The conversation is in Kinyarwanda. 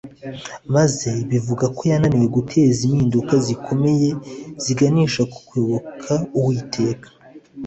maze bivuga ko yananiwe guteza impinduka zikomeye ziganisha ku kuyoboka uwiteka